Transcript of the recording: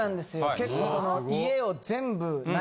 結構家を全部。